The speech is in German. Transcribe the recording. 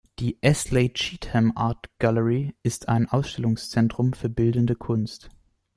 Die "Astley Cheetham Art Gallery" ist ein Ausstellungszentrum für bildende Kunst.